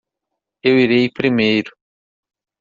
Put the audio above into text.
Eu irei primeiro.